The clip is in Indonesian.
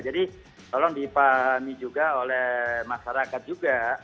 jadi tolong dipahami juga oleh masyarakat juga